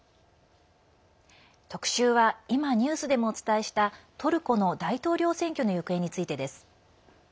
特集は今、ニュースでもお伝えしたトルコの大統領選挙の行方についてです。